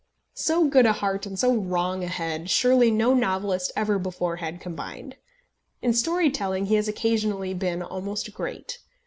So good a heart, and so wrong a head, surely no novelist ever before had combined! In story telling he has occasionally been almost great.